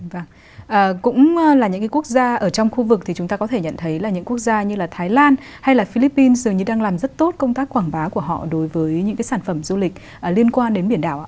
vâng cũng là những cái quốc gia ở trong khu vực thì chúng ta có thể nhận thấy là những quốc gia như là thái lan hay là philippines dường như đang làm rất tốt công tác quảng bá của họ đối với những cái sản phẩm du lịch liên quan đến biển đảo